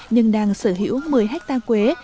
nhưng đang sở hữu một mươi hectare quế